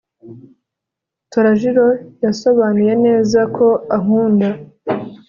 Torajiro yasobanuye neza ko ankunda